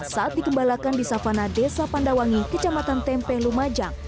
saat dikembalakan di savana desa pandawangi kecamatan tempe lumajang